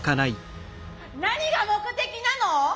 何が目的なの！？